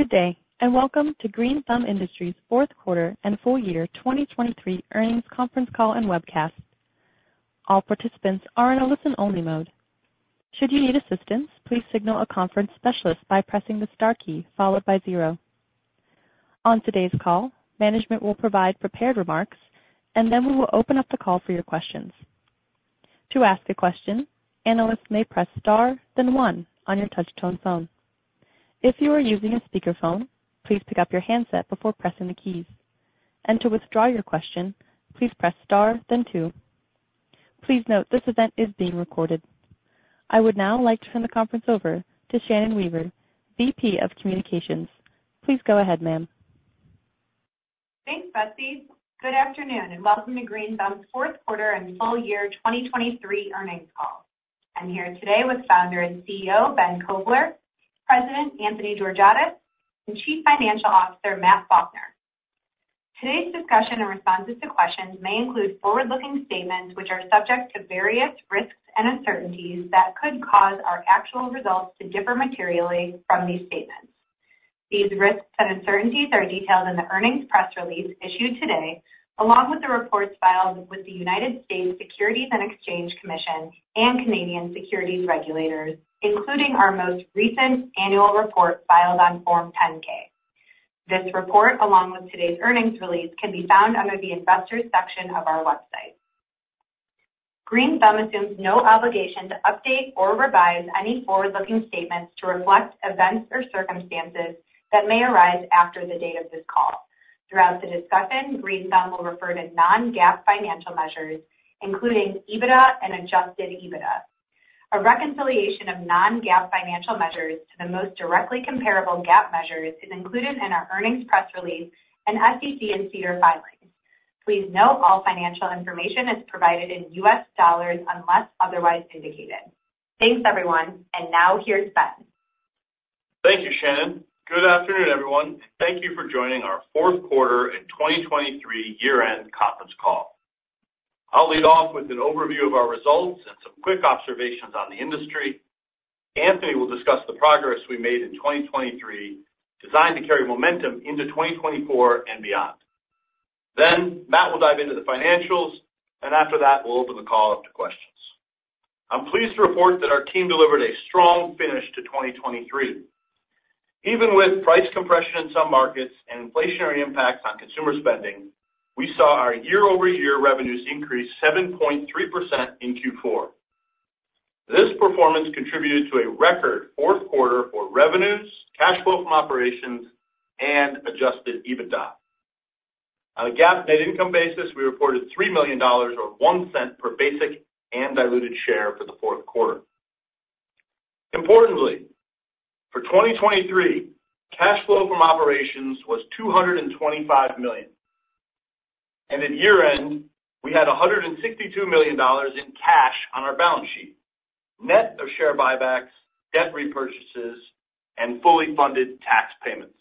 Good day, and welcome to Green Thumb Industries' fourth quarter and full year 2023 earnings conference call and webcast. All participants are in a listen-only mode. Should you need assistance, please signal a conference specialist by pressing the star key followed by zero. On today's call, management will provide prepared remarks, and then we will open up the call for your questions. To ask a question, analysts may press star, then one on your touchtone phone. If you are using a speakerphone, please pick up your handset before pressing the keys, and to withdraw your question, please press star then two. Please note, this event is being recorded. I would now like to turn the conference over to Shannon Weaver, VP of Communications. Please go ahead, ma'am. Thanks, Betsy. Good afternoon, and welcome to Green Thumb's fourth quarter and full year 2023 earnings call. I'm here today with Founder and CEO Ben Kovler, President Anthony Georgiadis, and Chief Financial Officer Matt Faulkner. Today's discussion and responses to questions may include forward-looking statements, which are subject to various risks and uncertainties that could cause our actual results to differ materially from these statements. These risks and uncertainties are detailed in the earnings press release issued today, along with the reports filed with the United States Securities and Exchange Commission and Canadian securities regulators, including our most recent annual report, filed on Form 10-K. This report, along with today's earnings release, can be found under the Investors section of our website. Green Thumb assumes no obligation to update or revise any forward-looking statements to reflect events or circumstances that may arise after the date of this call. Throughout the discussion, Green Thumb will refer to non-GAAP financial measures, including EBITDA and adjusted EBITDA. A reconciliation of non-GAAP financial measures to the most directly comparable GAAP measures is included in our earnings press release and SEC and SEDAR filings. Please note, all financial information is provided in U.S. dollars unless otherwise indicated. Thanks, everyone. And now here's Ben. Thank you, Shannon. Good afternoon, everyone. Thank you for joining our fourth quarter in 2023 year-end conference call. I'll lead off with an overview of our results and some quick observations on the industry. Anthony will discuss the progress we made in 2023, designed to carry momentum into 2024 and beyond. Then Matt will dive into the financials, and after that, we'll open the call up to questions. I'm pleased to report that our team delivered a strong finish to 2023. Even with price compression in some markets and inflationary impacts on consumer spending, we saw our year-over-year revenues increase 7.3% in Q4. This performance contributed to a record fourth quarter for revenues, cash flow from operations, and Adjusted EBITDA. On a GAAP net income basis, we reported $3 million, or $0.01 per basic and diluted share for the fourth quarter. Importantly, for 2023, cash flow from operations was $225 million, and at year-end, we had $162 million in cash on our balance sheet, net of share buybacks, debt repurchases, and fully funded tax payments.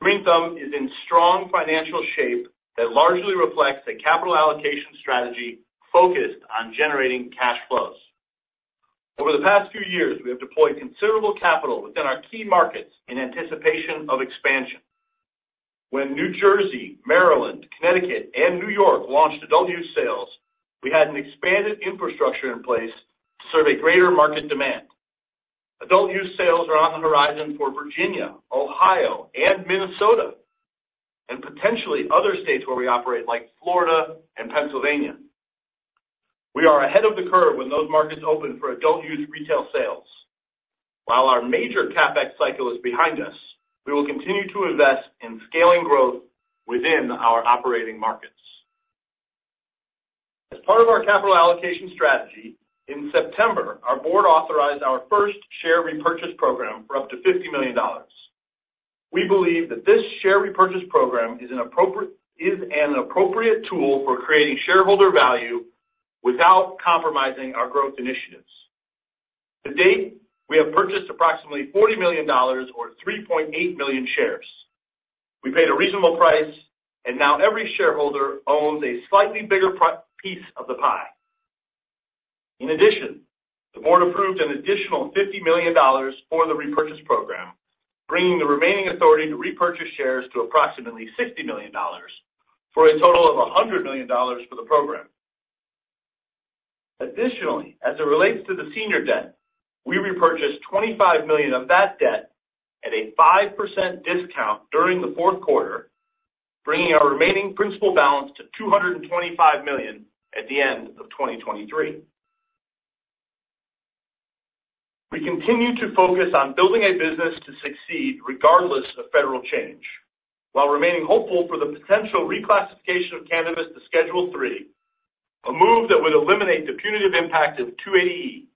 Green Thumb is in strong financial shape that largely reflects a capital allocation strategy focused on generating cash flows. Over the past few years, we have deployed considerable capital within our key markets in anticipation of expansion. When New Jersey, Maryland, Connecticut, and New York launched adult-use sales, we had an expanded infrastructure in place to serve a greater market demand. Adult-use sales are on the horizon for Virginia, Ohio, and Minnesota, and potentially other states where we operate, like Florida and Pennsylvania. We are ahead of the curve when those markets open for adult-use retail sales. While our major CapEx cycle is behind us, we will continue to invest in scaling growth within our operating markets. As part of our capital allocation strategy, in September, our board authorized our first share repurchase program for up to $50 million. We believe that this share repurchase program is an appropriate tool for creating shareholder value without compromising our growth initiatives. To date, we have purchased approximately $40 million, or 3.8 million shares. We paid a reasonable price, and now every shareholder owns a slightly bigger piece of the pie. In addition, the board approved an additional $50 million for the repurchase program, bringing the remaining authority to repurchase shares to approximately $60 million, for a total of $100 million for the program. Additionally, as it relates to the senior debt, we repurchased $25 million of that debt at a 5% discount during the fourth quarter, bringing our remaining principal balance to $225 million at the end of 2023. We continue to focus on building a business to succeed regardless of federal change, while remaining hopeful for the potential reclassification of cannabis to Schedule III, a move that would eliminate the punitive impact of 280E.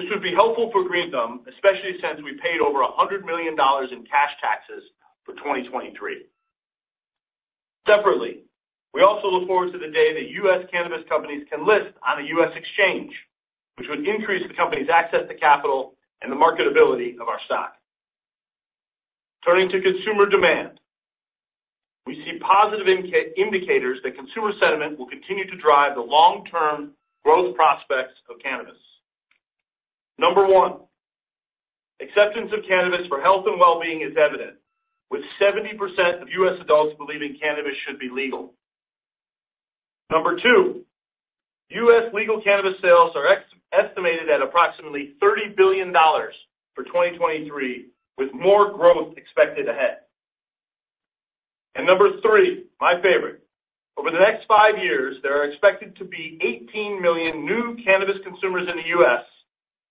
This would be helpful for Green Thumb, especially since we paid over $100 million in cash taxes for 2023. Separately, we also look forward to the day that U.S. cannabis companies can list on a U.S. exchange, which would increase the company's access to capital and the marketability of our stock. Turning to consumer demand-... positive indicators that consumer sentiment will continue to drive the long-term growth prospects of cannabis. Number one, acceptance of cannabis for health and well-being is evident, with 70% of U.S. adults believing cannabis should be legal. Number two, U.S. legal cannabis sales are estimated at approximately $30 billion for 2023, with more growth expected ahead. Number three, my favorite, over the next 5 years, there are expected to be 18 million new cannabis consumers in the U.S.,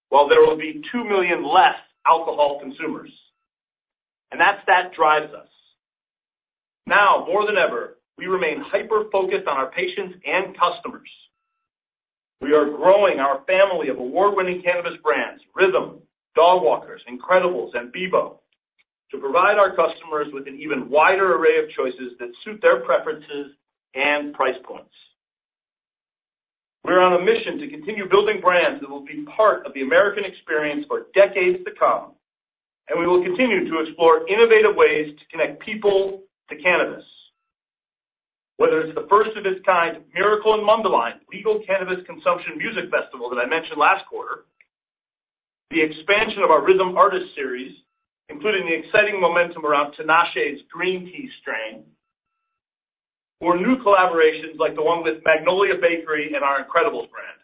while there will be 2 million less alcohol consumers, and that stat drives us. Now, more than ever, we remain hyper-focused on our patients and customers. We are growing our family of award-winning cannabis brands, RYTHM, Dogwalkers, incredibles, and Beboe, to provide our customers with an even wider array of choices that suit their preferences and price points. We're on a mission to continue building brands that will be part of the American experience for decades to come, and we will continue to explore innovative ways to connect people to cannabis. Whether it's the first of its kind, Miracle in Mundelein, legal cannabis consumption music festival that I mentioned last quarter, the expansion of our RYTHM Artist Series, including the exciting momentum around Tinashe's Green T strain, or new collaborations like the one with Magnolia Bakery and our incredibles brand.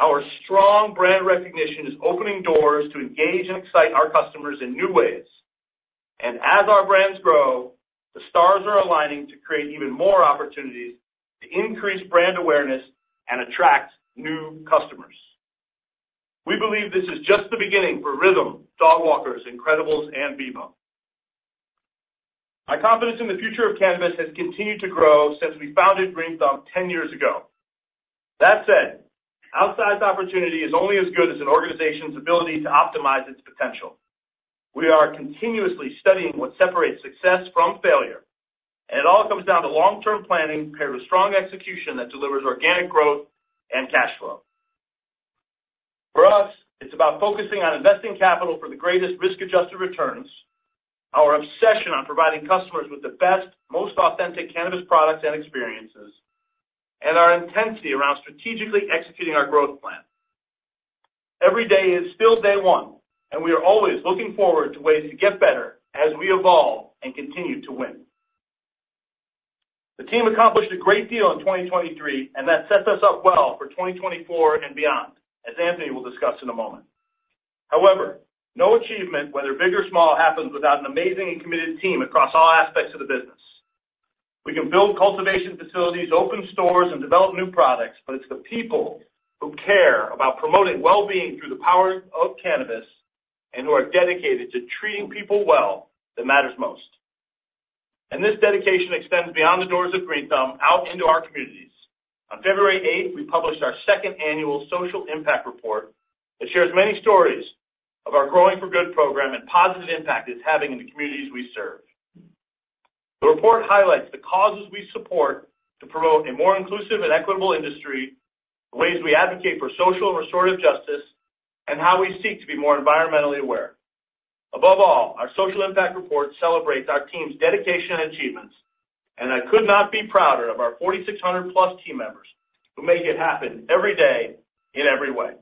Our strong brand recognition is opening doors to engage and excite our customers in new ways. As our brands grow, the stars are aligning to create even more opportunities to increase brand awareness and attract new customers. We believe this is just the beginning for RYTHM, Dogwalkers, incredibles, and Beboe. My confidence in the future of cannabis has continued to grow since we founded Green Thumb 10 years ago. That said, outsized opportunity is only as good as an organization's ability to optimize its potential. We are continuously studying what separates success from failure, and it all comes down to long-term planning, paired with strong execution that delivers organic growth and cash flow. For us, it's about focusing on investing capital for the greatest risk-adjusted returns, our obsession on providing customers with the best, most authentic cannabis products and experiences, and our intensity around strategically executing our growth plan. Every day is still day one, and we are always looking forward to ways to get better as we evolve and continue to win. The team accomplished a great deal in 2023, and that sets us up well for 2024 and beyond, as Anthony will discuss in a moment. However, no achievement, whether big or small, happens without an amazing and committed team across all aspects of the business. We can build cultivation facilities, open stores, and develop new products, but it's the people who care about promoting well-being through the power of cannabis and who are dedicated to treating people well, that matters most. This dedication extends beyond the doors of Green Thumb out into our communities. On February eighth, we published our second annual Social Impact Report that shares many stories of our Growing for Good program and positive impact it's having in the communities we serve. The report highlights the causes we support to promote a more inclusive and equitable industry, the ways we advocate for social and restorative justice, and how we seek to be more environmentally aware. Above all, our social impact report celebrates our team's dedication and achievements, and I could not be prouder of our 4,600+ team members who make it happen every day, in every way.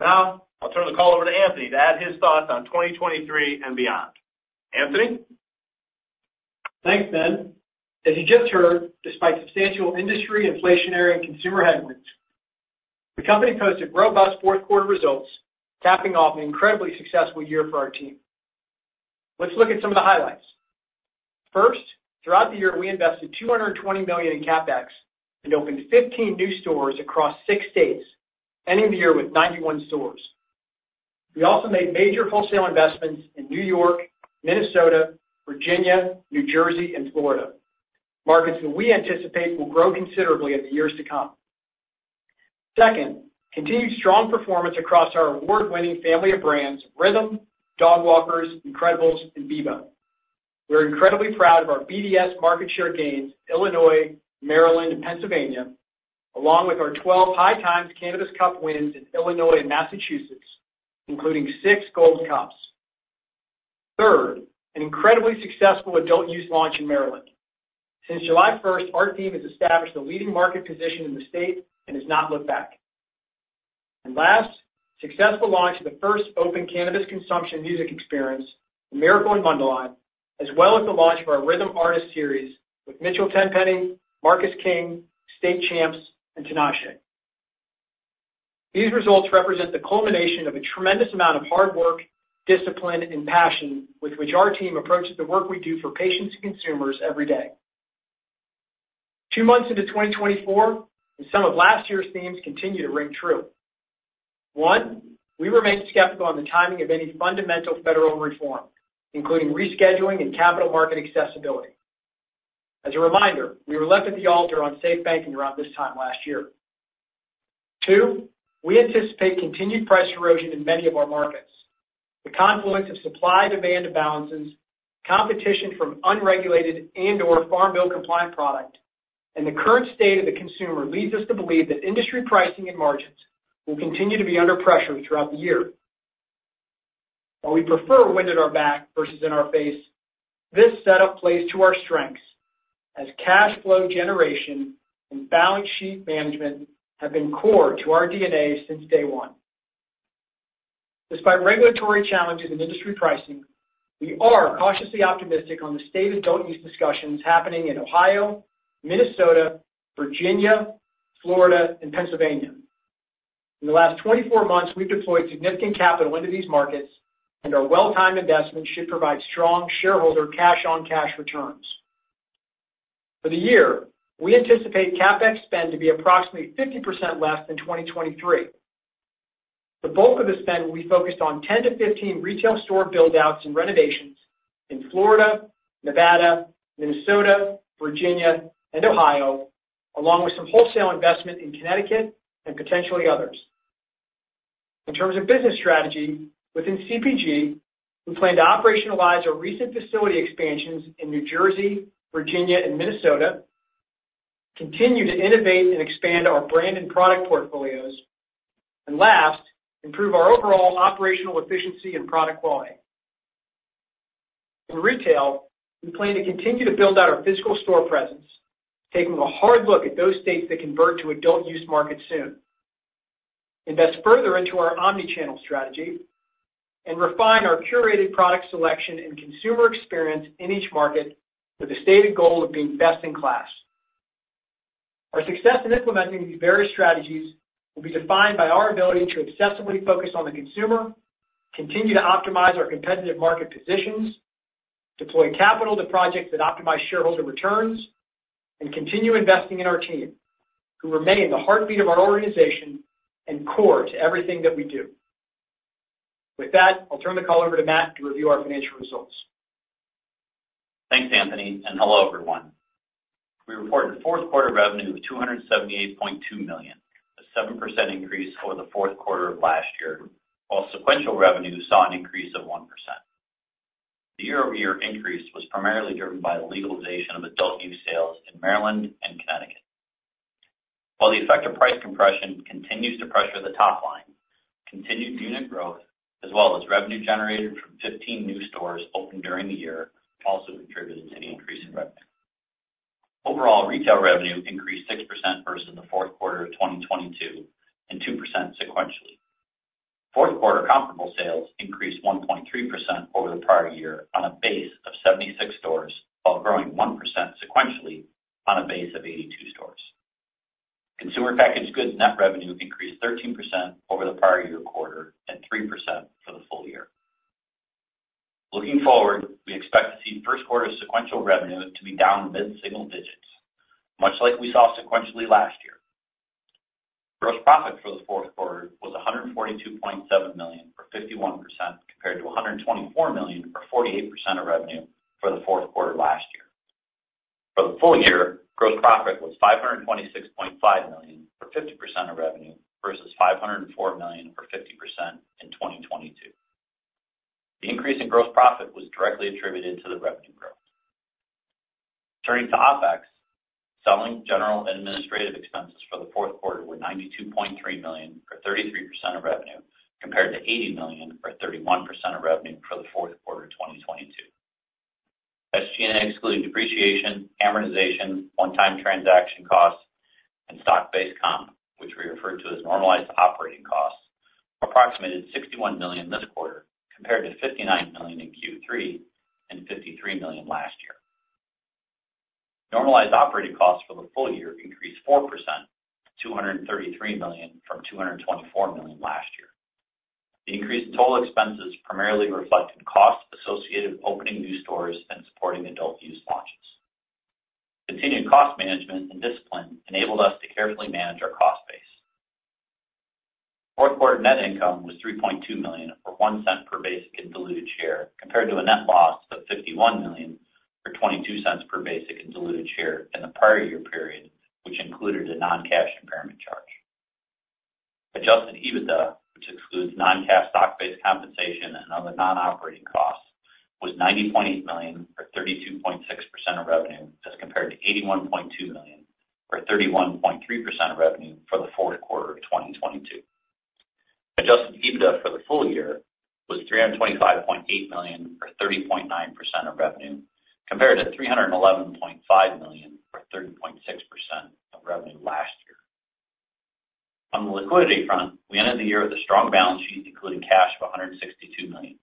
Now, I'll turn the call over to Anthony to add his thoughts on 2023 and beyond. Anthony? Thanks, Ben. As you just heard, despite substantial industry, inflationary, and consumer headwinds, the company posted robust fourth quarter results, capping off an incredibly successful year for our team. Let's look at some of the highlights. First, throughout the year, we invested $220 million in CapEx and opened 15 new stores across six states, ending the year with 91 stores. We also made major wholesale investments in New York, Minnesota, Virginia, New Jersey, and Florida, markets that we anticipate will grow considerably in the years to come. Second, continued strong performance across our award-winning family of brands, RYTHM, Dogwalkers, incredibles, and Beboe. We're incredibly proud of our BDS market share gains, Illinois, Maryland, and Pennsylvania, along with our 12 High Times Cannabis Cup wins in Illinois and Massachusetts, including six Gold Cups. Third, an incredibly successful adult-use launch in Maryland. Since July first, our team has established a leading market position in the state and has not looked back. And last, successful launch of the first open cannabis consumption music experience, Miracle in Mundelein, as well as the launch of our RYTHM Artist Series with Mitchell Tenpenny, Marcus King, State Champs, and Tinashe. These results represent the culmination of a tremendous amount of hard work, discipline, and passion with which our team approaches the work we do for patients and consumers every day. Two months into 2024, and some of last year's themes continue to ring true. One, we remain skeptical on the timing of any fundamental federal reform, including rescheduling and capital market accessibility. As a reminder, we were left at the altar on SAFE Banking around this time last year. Two, we anticipate continued price erosion in many of our markets. The confluence of supply and demand imbalances, competition from unregulated and/or Farm Bill compliant product, and the current state of the consumer, leads us to believe that industry pricing and margins will continue to be under pressure throughout the year. While we prefer wind at our back versus in our face, this setup plays to our strengths, as cash flow generation and balance sheet management have been core to our DNA since day one. Despite regulatory challenges and industry pricing, we are cautiously optimistic on the state of adult-use discussions happening in Ohio, Minnesota, Virginia, Florida, and Pennsylvania. In the last 24 months, we've deployed significant capital into these markets, and our well-timed investments should provide strong shareholder cash on cash returns. For the year, we anticipate CapEx spend to be approximately 50% less than 2023. The bulk of the spend will be focused on 10-15 retail store build-outs and renovations in Florida, Nevada, Minnesota, Virginia, and Ohio, along with some wholesale investment in Connecticut and potentially others. In terms of business strategy, within CPG, we plan to operationalize our recent facility expansions in New Jersey, Virginia, and Minnesota, continue to innovate and expand our brand and product portfolios, and last, improve our overall operational efficiency and product quality. In retail, we plan to continue to build out our physical store presence, taking a hard look at those states that convert to adult-use markets soon, invest further into our Omni-channel strategy, and refine our curated product selection and consumer experience in each market with the stated goal of being best-in-class. Our success in implementing these various strategies will be defined by our ability to obsessively focus on the consumer, continue to optimize our competitive market positions, deploy capital to projects that optimize shareholder returns, and continue investing in our team, who remain the heartbeat of our organization and core to everything that we do. With that, I'll turn the call over to Matt to review our financial results. Thanks, Anthony, and hello, everyone. We reported fourth quarter revenue of $278.2 million, a 7% increase over the fourth quarter of last year, while sequential revenue saw an increase of 1%. The year-over-year increase was primarily driven by the legalization of adult-use sales in Maryland and Connecticut. While the effect of price compression continues to pressure the top line, continued unit growth, as well as revenue generated from 15 new stores opened during the year, also contributed to the increase in revenue. Overall, retail revenue increased 6% versus the fourth quarter of 2022 and 2% sequentially. Fourth quarter comparable sales increased 1.3% over the prior year on a base of 76 stores, while growing 1% sequentially on a base of 82 stores. Consumer packaged goods net revenue increased 13% over the prior year quarter and 3% for the full year. Looking forward, we expect to see first quarter sequential revenue to be down mid-single digits, much like we saw sequentially last year. Gross profit for the fourth quarter was $142.7 million, or 51%, compared to $124 million, or 48% of revenue, for the fourth quarter last year. For the full year, gross profit was $526.5 million, or 50% of revenue, versus $504 million, or 50%, in 2022. The increase in gross profit was directly attributed to the revenue growth. Turning to OpEx, selling, general, and administrative expenses for the fourth quarter were $92.3 million, or 33% of revenue, compared to $80 million, or 31% of revenue for the fourth quarter of 2022. SG&A, excluding depreciation, amortization, one-time transaction costs, and stock-based comp, which we refer to as normalized operating costs, approximated $61 million this quarter, compared to $59 million in Q3 and $53 million last year. Normalized operating costs for the full year increased 4% to $233 million from $224 million last year. The increase in total expenses primarily reflected costs associated with opening new stores and supporting adult use launches. Continued cost management and discipline enabled us to carefully manage our cost base. Fourth quarter net income was $3.2 million, or $0.01 per basic and diluted share, compared to a net loss of $51 million or $0.22 per basic and diluted share in the prior year period, which included a non-cash impairment charge. Adjusted EBITDA, which excludes non-cash stock-based compensation and other non-operating costs, was $90.8 million, or 32.6% of revenue, as compared to $81.2 million, or 31.3% of revenue, for the fourth quarter of 2022. Adjusted EBITDA for the full year was $325.8 million, or 30.9% of revenue, compared to $311.5 million, or 30.6% of revenue last year. On the liquidity front, we ended the year with a strong balance sheet, including cash of $162 million.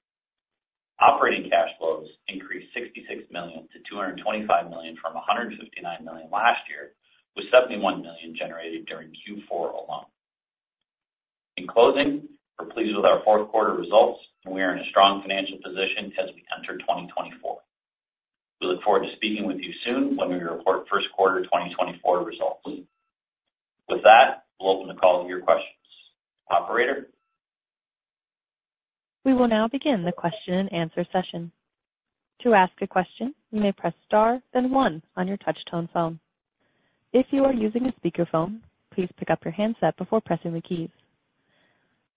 Operating cash flows increased $66 million to $225 million from $159 million last year, with $71 million generated during Q4 alone. In closing, we're pleased with our fourth quarter results, and we are in a strong financial position as we enter 2024. We look forward to speaking with you soon when we report first quarter 2024 results. With that, we'll open the call to your questions. Operator? We will now begin the question-and-answer session. To ask a question, you may press star, then one on your touchtone phone. If you are using a speakerphone, please pick up your handset before pressing the keys.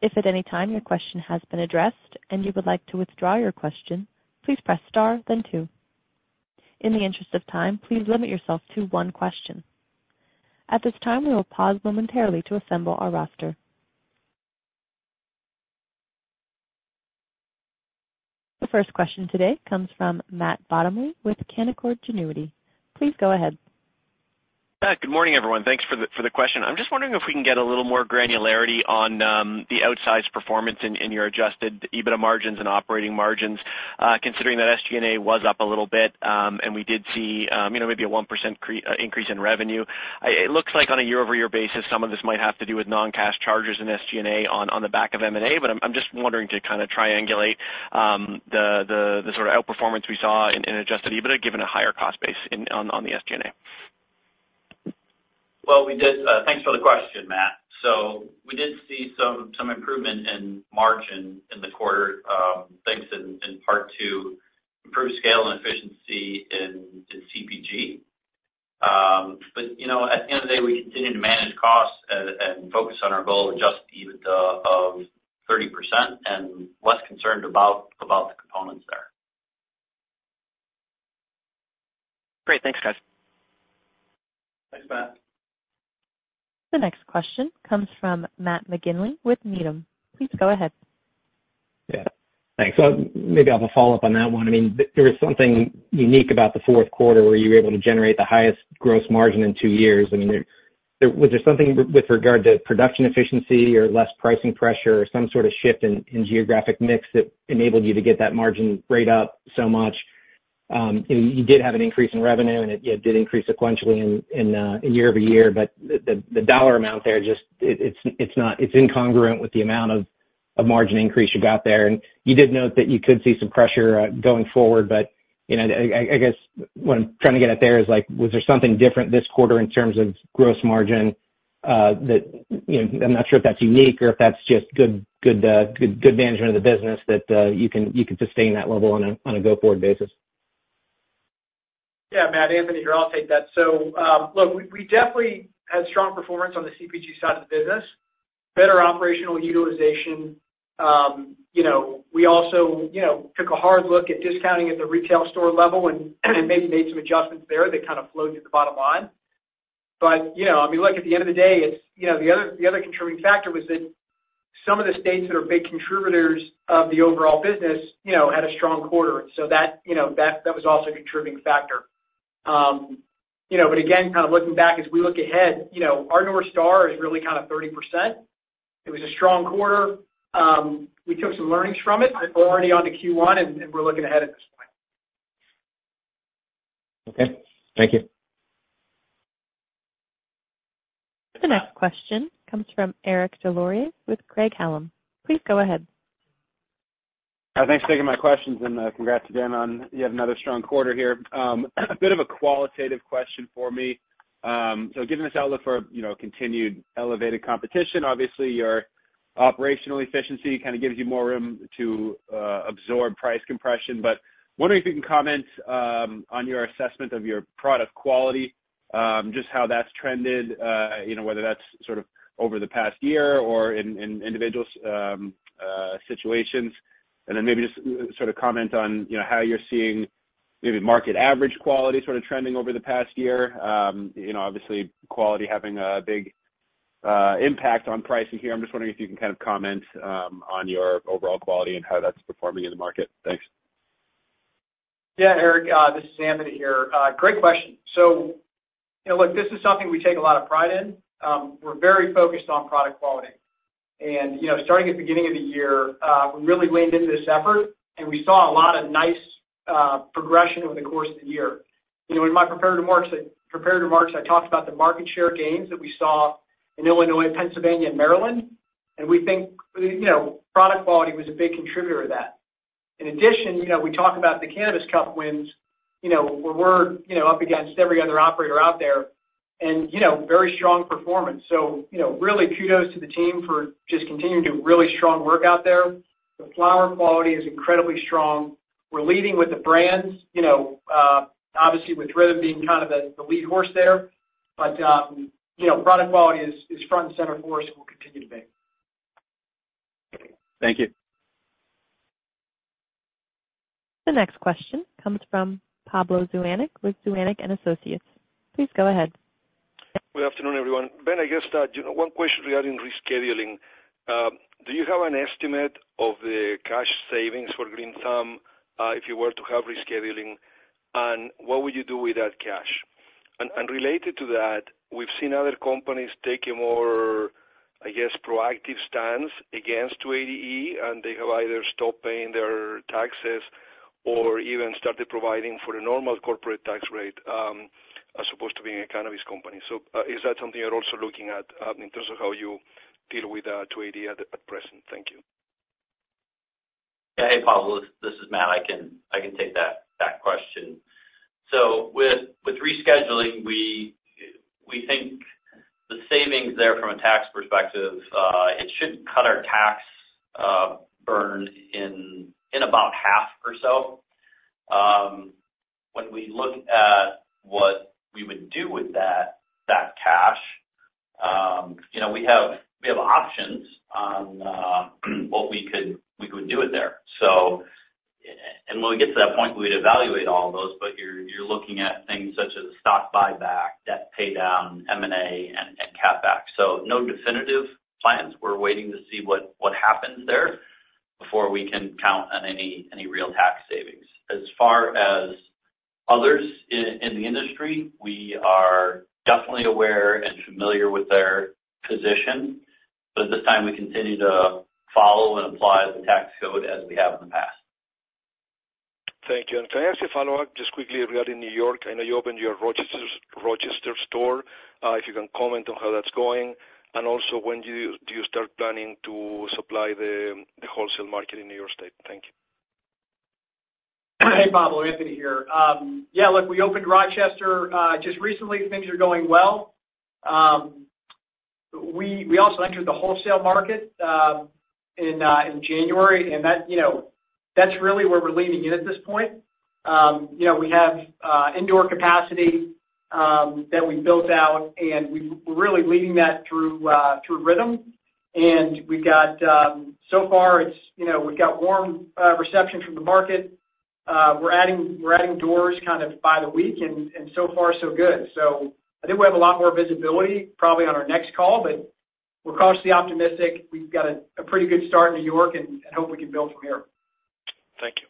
If at any time your question has been addressed and you would like to withdraw your question, please press star, then two. ...In the interest of time, please limit yourself to one question. At this time, we will pause momentarily to assemble our roster. The first question today comes from Matt Bottomley with Canaccord Genuity. Please go ahead. Good morning, everyone. Thanks for the, for the question. I'm just wondering if we can get a little more granularity on the outsized performance in your Adjusted EBITDA margins and operating margins, considering that SG&A was up a little bit, and we did see, you know, maybe a 1% increase in revenue. It looks like on a year-over-year basis, some of this might have to do with non-cash charges in SG&A on the back of M&A. But I'm just wondering to kind of triangulate the sort of outperformance we saw in Adjusted EBITDA, given a higher cost base on the SG&A. Well, we did, thanks for the question, Matt. So we did see some improvement in margin in the quarter, thanks in part to improved scale and efficiency in CPG. But, you know, at the end of the day, we continue to manage costs and focus on our goal of Adjusted EBITDA of 30% and less concerned about the components there. Great. Thanks, guys. Thanks, Matt. The next question comes from Matt McGinley with Needham. Please go ahead. Yeah. Thanks. So maybe I'll have a follow-up on that one. I mean, there was something unique about the fourth quarter, where you were able to generate the highest gross margin in two years. I mean, was there something with regard to production efficiency or less pricing pressure or some sort of shift in geographic mix that enabled you to get that margin rate up so much? You know, you did have an increase in revenue, and it, yeah, did increase sequentially in year over year, but the dollar amount there just it's incongruent with the amount of margin increase you got there. You did note that you could see some pressure going forward, but, you know, I guess what I'm trying to get at there is, like, was there something different this quarter in terms of gross margin, that, you know... I'm not sure if that's unique or if that's just good management of the business, that you can sustain that level on a go-forward basis. Yeah, Matt, Anthony here. I'll take that. So, look, we definitely had strong performance on the CPG side of the business, better operational utilization. You know, we also, you know, took a hard look at discounting at the retail store level and maybe made some adjustments there that kind of flowed through the bottom line. But, you know, I mean, look, at the end of the day, it's, you know, the other contributing factor was that some of the states that are big contributors of the overall business, you know, had a strong quarter. So that, you know, that was also a contributing factor. You know, but again, kind of looking back as we look ahead, you know, our North Star is really kind of 30%. It was a strong quarter. We took some learnings from it. We're already onto Q1, and we're looking ahead at this point. Okay. Thank you. The next question comes from Eric Des Lauriers with Craig-Hallum. Please go ahead. Thanks for taking my questions, and congrats again on yet another strong quarter here. A bit of a qualitative question for me. So given this outlook for, you know, continued elevated competition, obviously your operational efficiency kind of gives you more room to absorb price compression. But wondering if you can comment on your assessment of your product quality, just how that's trended, you know, whether that's sort of over the past year or in individual situations. And then maybe just sort of comment on, you know, how you're seeing maybe market average quality sort of trending over the past year. You know, obviously, quality having a big impact on pricing here. I'm just wondering if you can kind of comment on your overall quality and how that's performing in the market. Thanks. Yeah, Eric, this is Anthony here. Great question. So, you know, look, this is something we take a lot of pride in. We're very focused on product quality. And, you know, starting at the beginning of the year, we really leaned into this effort, and we saw a lot of nice progression over the course of the year. You know, in my prepared remarks, I talked about the market share gains that we saw in Illinois, Pennsylvania, and Maryland, and we think, you know, product quality was a big contributor to that. In addition, you know, we talk about the Cannabis Cup wins, you know, where we're, you know, up against every other operator out there and, you know, very strong performance. So, you know, really kudos to the team for just continuing to do really strong work out there. The flower quality is incredibly strong. We're leading with the brands, you know, obviously with RYTHM being kind of the lead horse there, but, you know, product quality is front and center for us and will continue to be. Thank you. The next question comes from Pablo Zuanic with Zuanic and Associates. Please go ahead. Good afternoon, everyone. Ben, I guess, you know, one question regarding rescheduling. Do you have an estimate of the cash savings for Green Thumb, if you were to have rescheduling, and what would you do with that cash? And related to that, we've seen other companies taking more, I guess, proactive stance against 280E, and they have either stopped paying their taxes or even started providing for a normal corporate tax rate, as opposed to being a cannabis company. So, is that something you're also looking at, in terms of how you deal with 280E at present? Thank you. Yeah. Hey, Pablo, this is Matt. I can take that question. So with rescheduling, we think the savings there from a tax perspective, it should cut our tax burden in about half or so. When we look at what we would do with that cash, you know, we have options on what we could do with there. So and when we get to that point, we'd evaluate all those, but you're looking at things such as stock buyback, debt paydown, M&A, and CapEx. So no definitive plans. We're waiting to see what happens there before we can count on any real tax savings. As far as others in the industry, we are definitely aware and familiar with their position, but at this time, we continue to follow and apply the tax code as we have in the past. Thank you. Can I ask a follow-up just quickly regarding New York? I know you opened your Rochester store, if you can comment on how that's going, and also, when do you start planning to supply the wholesale market in New York State? Thank you. Hey, Pablo, Anthony here. Yeah, look, we opened Rochester just recently. Things are going well. We also entered the wholesale market in January, and that, you know, that's really where we're leaning in at this point. You know, we have indoor capacity that we built out, and we're really leaning that through RYTHM. And we've got, so far it's, you know, we've got warm reception from the market. We're adding doors kind of by the week, and so far, so good. So I think we have a lot more visibility, probably on our next call, but we're cautiously optimistic. We've got a pretty good start in New York and hope we can build from here. Thank you.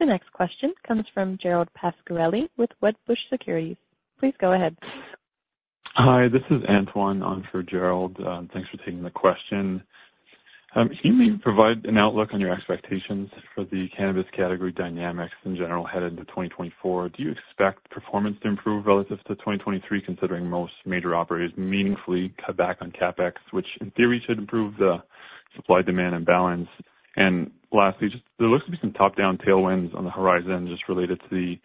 The next question comes from Gerald Pascarelli with Wedbush Securities. Please go ahead. Hi, this is Antoine on for Gerald. Thanks for taking the question. Can you provide an outlook on your expectations for the cannabis category dynamics in general, headed into 2024? Do you expect performance to improve relative to 2023, considering most major operators meaningfully cut back on CapEx, which in theory, should improve the supply-demand imbalance? And lastly, just there looks to be some top-down tailwinds on the horizon, just related to the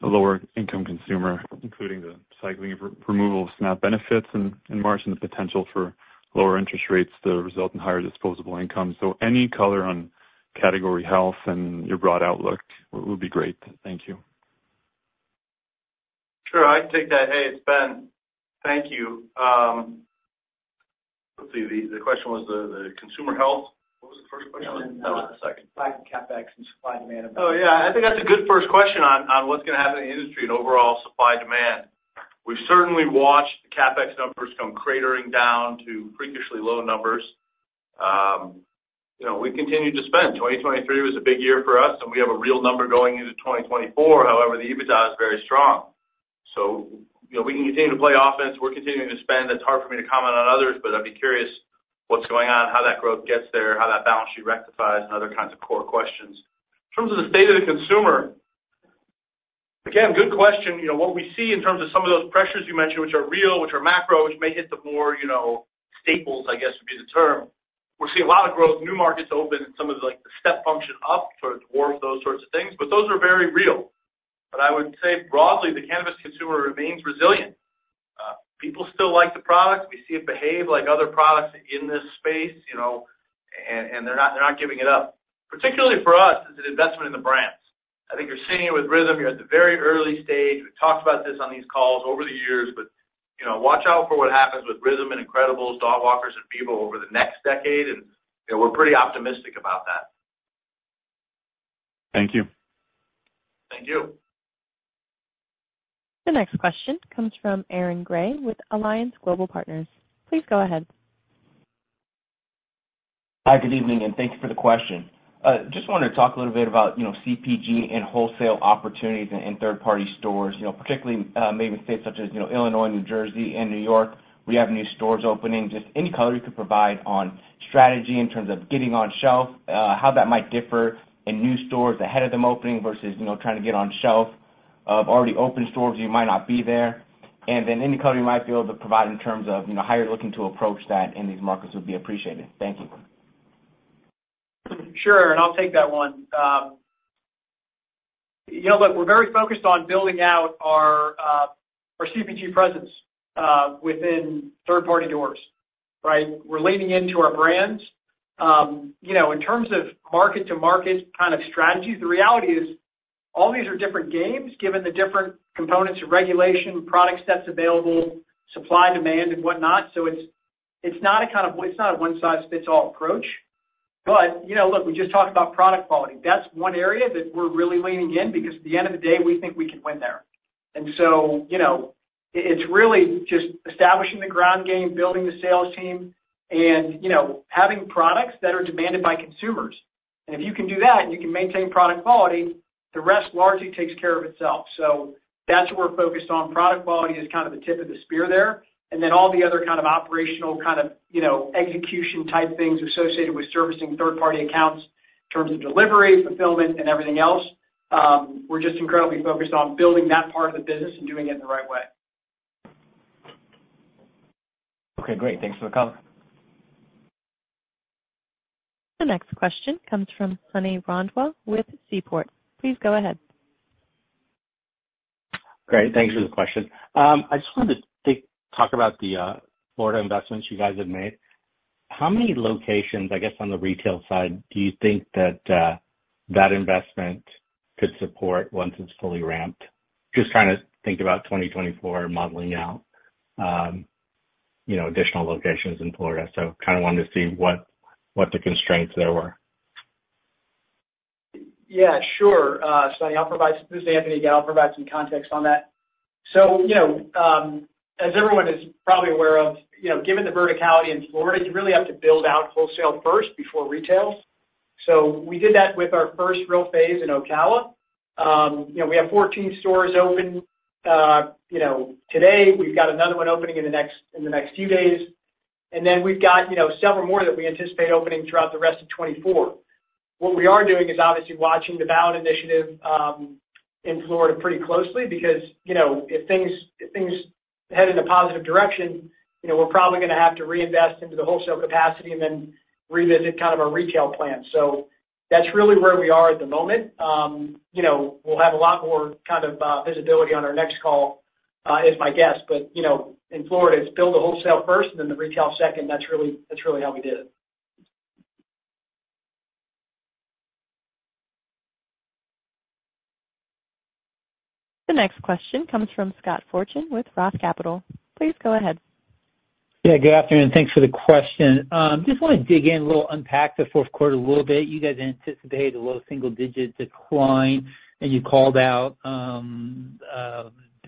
lower-income consumer, including the cycling of removal of SNAP benefits in March, and the potential for lower interest rates to result in higher disposable income. So any color on category health and your broad outlook would be great. Thank you. Sure. I can take that. Hey, it's Ben. Thank you. Let's see. The question was the consumer health. What was the first question? And then- What was the second? Back to CapEx and supply-demand imbalance. Oh, yeah. I think that's a good first question on what's gonna happen in the industry and overall supply-demand. We've certainly watched the CapEx numbers come cratering down to previously low numbers. You know, we continued to spend. 2023 was a big year for us, and we have a real number going into 2024. However, the EBITDA is very strong, so, you know, we can continue to play offense. We're continuing to spend. It's hard for me to comment on others, but I'd be curious what's going on, how that growth gets there, how that balance sheet rectifies, and other kinds of core questions. In terms of the state of the consumer, again, good question. You know, what we see in terms of some of those pressures you mentioned, which are real, which are macro, which may hit the more, you know, staples, I guess, would be the term. We're seeing a lot of growth, new markets open, and some of the, like, the step function up towards more of those sorts of things, but those are very real. But I would say broadly, the cannabis consumer remains resilient. People still like the products. We see it behave like other products in this space, you know, and, and they're not, they're not giving it up. Particularly for us, it's an investment in the brands. I think you're seeing it with RYTHM. You're at the very early stage. We've talked about this on these calls over the years, but, you know, watch out for what happens with RYTHM and incredibles, Dogwalkers and people over the next decade, and, you know, we're pretty optimistic about that. Thank you. Thank you. The next question comes from Aaron Gray with Alliance Global Partners. Please go ahead. Hi, good evening, and thank you for the question. Just wanted to talk a little bit about, you know, CPG and wholesale opportunities in, in third-party stores, you know, particularly, maybe states such as, you know, Illinois, New Jersey, and New York, where you have new stores opening. Just any color you could provide on strategy in terms of getting on shelf, how that might differ in new stores ahead of them opening versus, you know, trying to get on shelf of already open stores you might not be there. And then any color you might be able to provide in terms of, you know, how you're looking to approach that in these markets would be appreciated. Thank you. Sure, and I'll take that one. You know, look, we're very focused on building out our our CPG presence within third-party doors, right? We're leaning into our brands. You know, in terms of market-to-market kind of strategies, the reality is, all these are different games, given the different components of regulation, product sets available, supply, demand, and whatnot. So it's not a one-size-fits-all approach. But, you know, look, we just talked about product quality. That's one area that we're really leaning in, because at the end of the day, we think we can win there. And so, you know, it's really just establishing the ground game, building the sales team, and, you know, having products that are demanded by consumers. And if you can do that, and you can maintain product quality, the rest largely takes care of itself. So that's what we're focused on. Product quality is kind of the tip of the spear there, and then all the other kind of operational kind of, you know, execution-type things associated with servicing third-party accounts in terms of delivery, fulfillment, and everything else, we're just incredibly focused on building that part of the business and doing it in the right way. Okay, great. Thanks for the call. The next question comes from Sonny Randhawa with Seaport. Please go ahead. Great, thank you for the question. I just wanted to talk about the Florida investments you guys have made. How many locations, I guess, on the retail side, do you think that that investment could support once it's fully ramped? Just trying to think about 2024 modeling out, you know, additional locations in Florida. So kind of wanted to see what what the constraints there were. Yeah, sure, Sonny, I'll provide-- This is Anthony again. I'll provide some context on that. So, you know, as everyone is probably aware of, you know, given the verticality in Florida, you really have to build out wholesale first before retail. So we did that with our first real phase in Ocala. You know, we have 14 stores open, you know, today. We've got another one opening in the next few days. And then we've got, you know, several more that we anticipate opening throughout the rest of 2024. What we are doing is, obviously, watching the ballot initiative in Florida pretty closely because, you know, if things head in a positive direction, you know, we're probably gonna have to reinvest into the wholesale capacity and then revisit kind of our retail plan. That's really where we are at the moment. You know, we'll have a lot more kind of visibility on our next call, is my guess. You know, in Florida, it's build the wholesale first and then the retail second. That's really, that's really how we did it. The next question comes from Scott Fortune with Roth Capital. Please go ahead. Yeah, good afternoon, and thanks for the question. Just wanna dig in a little, unpack the fourth quarter a little bit. You guys anticipated a little single digit decline, and you called out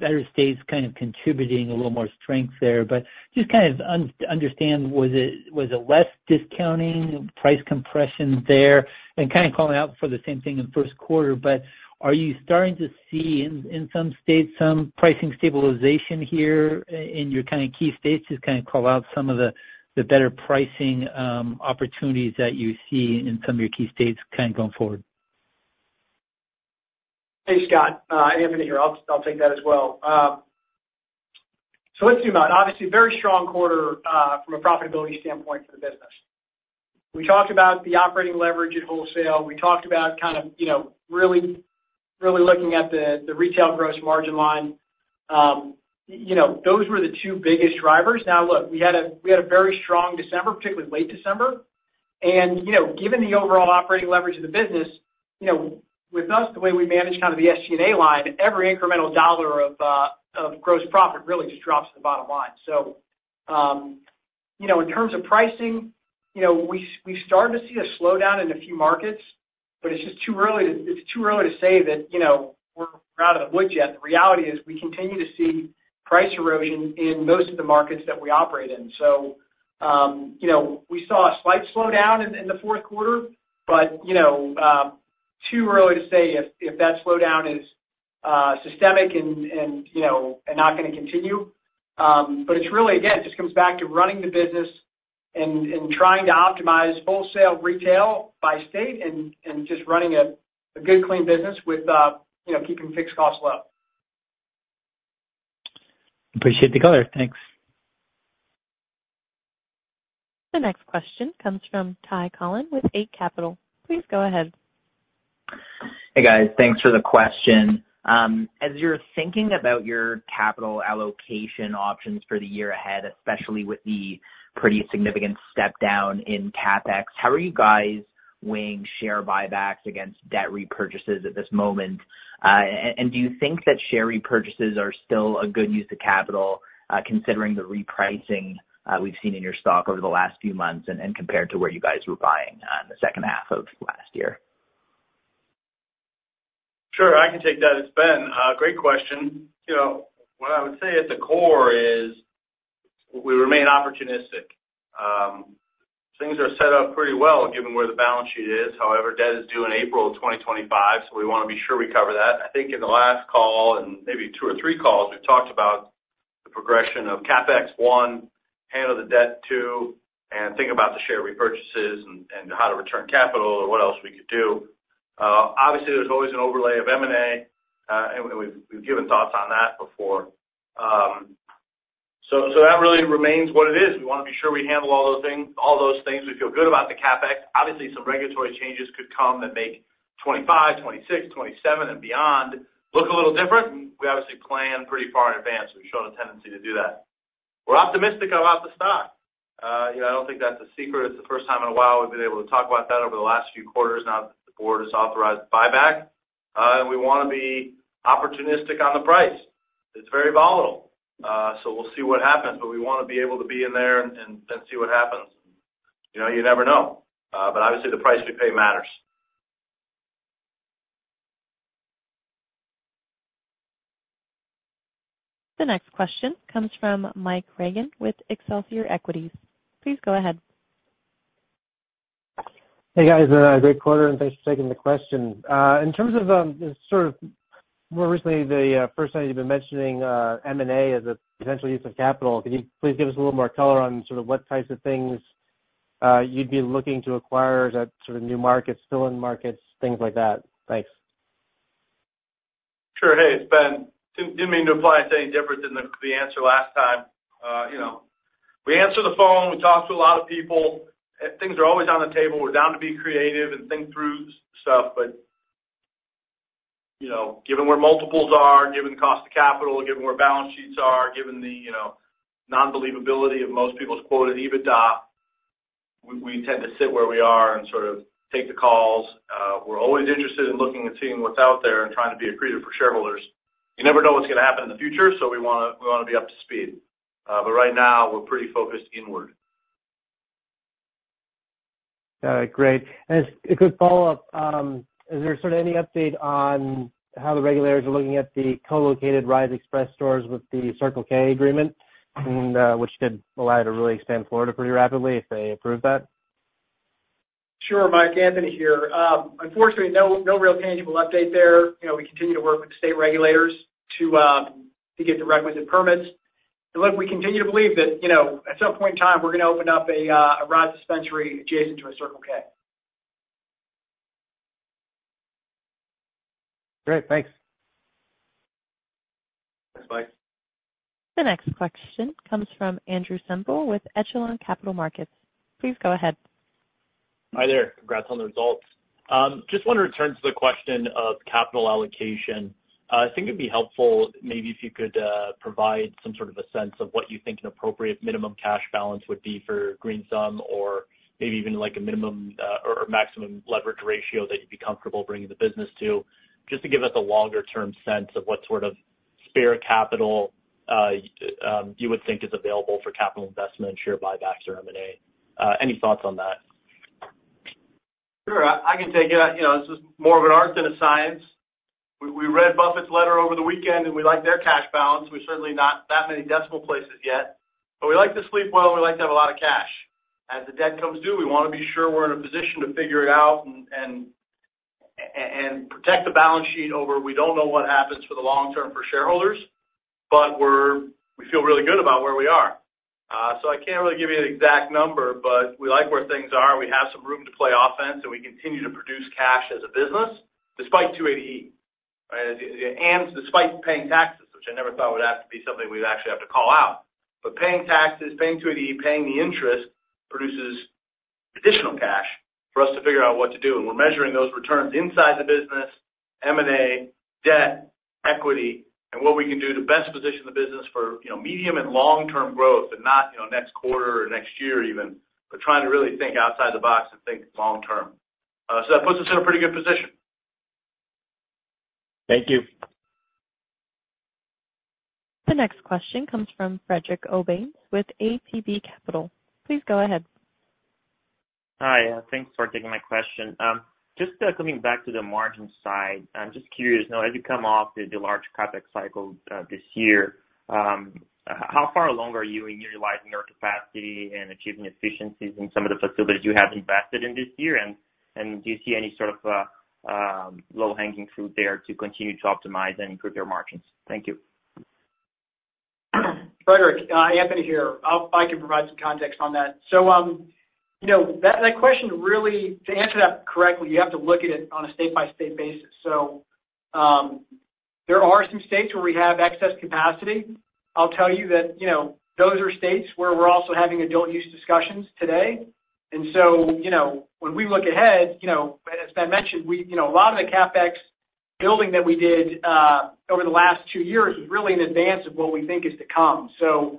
better states kind of contributing a little more strength there. But just kind of understand, was it, was it less discounting, price compression there? And kind of calling out for the same thing in the first quarter, but are you starting to see in some states some pricing stabilization here in your kind of key states? Just kind of call out some of the better pricing opportunities that you see in some of your key states kind of going forward. Hey, Scott, Anthony here. I'll, I'll take that as well. So let's zoom out. Obviously, a very strong quarter from a profitability standpoint for the business. We talked about the operating leverage at wholesale. We talked about kind of, you know, really, really looking at the retail gross margin line. You know, those were the two biggest drivers. Now, look, we had a very strong December, particularly late December. And, you know, given the overall operating leverage of the business, you know, with us, the way we manage kind of the SG&A line, every incremental dollar of gross profit really just drops to the bottom line. So, you know, in terms of pricing, you know, we've started to see a slowdown in a few markets, but it's just too early to say that, you know, we're out of the woods yet. The reality is we continue to see price erosion in most of the markets that we operate in. So, you know, we saw a slight slowdown in the fourth quarter, but, you know, too early to say if that slowdown is systemic and, you know, and not gonna continue. But it's really, again, just comes back to running the business and trying to optimize wholesale, retail by state and just running a good, clean business with, you know, keeping fixed costs low. Appreciate the color. Thanks. The next question comes from Ty Collin with Eight Capital. Please go ahead. Hey, guys. Thanks for the question. As you're thinking about your capital allocation options for the year ahead, especially with the pretty significant step down in CapEx, how are you guys weighing share buybacks against debt repurchases at this moment? And do you think that share repurchases are still a good use of capital, considering the repricing we've seen in your stock over the last few months and, and compared to where you guys were buying on the second half of last year? Sure, I can take that. It's Ben. Great question. You know, what I would say at the core is we remain opportunistic. Things are set up pretty well, given where the balance sheet is. However, debt is due in April 2025, so we wanna be sure we cover that. I think in the last call, and maybe two or three calls, we've talked about the progression of CapEx, one; handle the debt, two; and think about the share repurchases and, and how to return capital or what else we could do. Obviously, there's always an overlay of M&A, and we've, we've given thoughts on that before. So, so that really remains what it is. We wanna be sure we handle all those things, all those things. We feel good about the CapEx. Obviously, some regulatory changes could come that make 25, 26, 27, and beyond look a little different. We obviously plan pretty far in advance, we've shown a tendency to do that. We're optimistic about the stock. You know, I don't think that's a secret. It's the first time in a while we've been able to talk about that over the last few quarters, now that the board has authorized buyback. And we wanna be opportunistic on the price. It's very volatile, so we'll see what happens, but we wanna be able to be in there and see what happens. You know, you never know, but obviously the price we pay matters. The next question comes from Mike Regan with Excelsior Equities. Please go ahead. Hey, guys, great quarter, and thanks for taking the question. In terms of, sort of more recently, the first time you've been mentioning, M&A as a potential use of capital, could you please give us a little more color on sort of what types of things, you'd be looking to acquire that sort of new markets, fill-in markets, things like that? Thanks. Sure. Hey, it's Ben. Didn't mean to imply it's any different than the answer last time. You know, we answer the phone, we talk to a lot of people. Things are always on the table. We're down to be creative and think through stuff, but you know, given where multiples are, given the cost of capital, given where balance sheets are, given the, you know, non-believability of most people's quoted EBITDA, we tend to sit where we are and sort of take the calls. We're always interested in looking and seeing what's out there and trying to be accretive for shareholders. You never know what's gonna happen in the future, so we wanna be up to speed. But right now, we're pretty focused inward. All right, great. As a quick follow-up, is there sort of any update on how the regulators are looking at the co-located RISE Express stores with the Circle K agreement, and, which could allow you to really expand Florida pretty rapidly if they approve that? Sure, Mike, Anthony here. Unfortunately, no real tangible update there. You know, we continue to work with the state regulators to get the requisite permits. Look, we continue to believe that, you know, at some point in time, we're gonna open up a RISE dispensary adjacent to a Circle K. Great, thanks. Thanks, Mike. The next question comes from Andrew Semple with Echelon Capital Markets. Please go ahead. Hi there. Congrats on the results. Just want to return to the question of capital allocation. I think it'd be helpful maybe if you could provide some sort of a sense of what you think an appropriate minimum cash balance would be for Green Thumb, or maybe even, like, a minimum or maximum leverage ratio that you'd be comfortable bringing the business to. Just to give us a longer-term sense of what sort of spare capital you would think is available for capital investment, share buybacks, or M&A. Any thoughts on that? Sure, I can take it. You know, this is more of an art than a science. We read Buffett's letter over the weekend, and we like their cash balance. We're certainly not that many decimal places yet, but we like to sleep well, and we like to have a lot of cash. As the debt comes due, we wanna be sure we're in a position to figure it out and protect the balance sheet over... We don't know what happens for the long term for shareholders, but we feel really good about where we are. So I can't really give you an exact number, but we like where things are. We have some room to play offense, and we continue to produce cash as a business, despite 280E. Right? Despite paying taxes, which I never thought would have to be something we'd actually have to call out. But paying taxes, paying 280E, paying the interest, produces additional cash for us to figure out what to do. And we're measuring those returns inside the business, M&A, debt, equity, and what we can do to best position the business for, you know, medium and long-term growth, and not, you know, next quarter or next year even, but trying to really think outside the box and think long term. So that puts us in a pretty good position. Thank you. The next question comes from Frederic Gomes with ATB Capital. Please go ahead. Hi, thanks for taking my question. Just, coming back to the margin side, I'm just curious, you know, as you come off the large CapEx cycle this year, how far along are you in utilizing your capacity and achieving efficiencies in some of the facilities you have invested in this year? And do you see any sort of low-hanging fruit there to continue to optimize and improve your margins? Thank you. Frederick, Anthony here. I can provide some context on that. So, you know, that question really... To answer that correctly, you have to look at it on a state-by-state basis. So, there are some states where we have excess capacity. I'll tell you that, you know, those are states where we're also having adult use discussions today. And so, you know, when we look ahead, you know, and as Ben mentioned, we, you know, a lot of the CapEx building that we did over the last two years was really in advance of what we think is to come. So,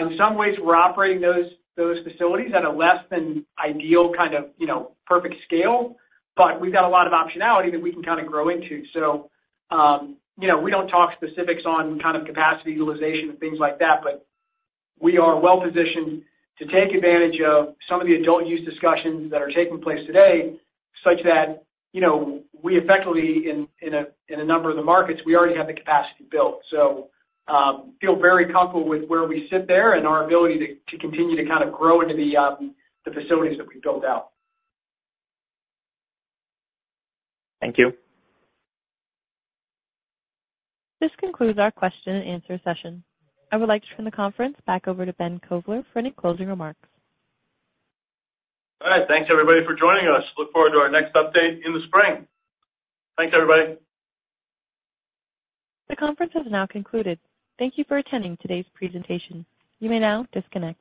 in some ways, we're operating those, those facilities at a less than ideal kind of, you know, perfect scale, but we've got a lot of optionality that we can kind of grow into. So, you know, we don't talk specifics on kind of capacity utilization and things like that, but we are well-positioned to take advantage of some of the adult-use discussions that are taking place today, such that, you know, we effectively, in a number of the markets, we already have the capacity built. So, feel very comfortable with where we sit there and our ability to continue to kind of grow into the facilities that we've built out. Thank you. This concludes our question and answer session. I would like to turn the conference back over to Ben Kovler for any closing remarks. All right. Thanks, everybody, for joining us. Look forward to our next update in the spring. Thanks, everybody. The conference has now concluded. Thank you for attending today's presentation. You may now disconnect.